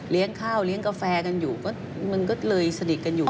ข้าวเลี้ยงกาแฟกันอยู่มันก็เลยสนิทกันอยู่